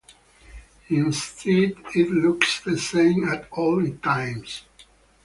Instead it looks the same at all times.